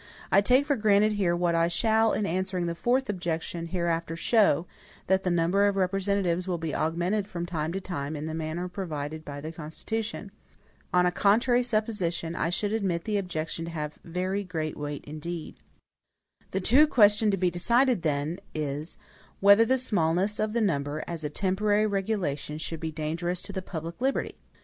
I take for granted here what I shall, in answering the fourth objection, hereafter show, that the number of representatives will be augmented from time to time in the manner provided by the Constitution. On a contrary supposition, I should admit the objection to have very great weight indeed. The true question to be decided then is, whether the smallness of the number, as a temporary regulation, be dangerous to the public liberty?